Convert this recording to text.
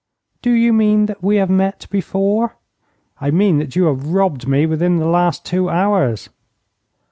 'Do you mean that we have met before?' 'I mean that you have robbed me within the last two hours.'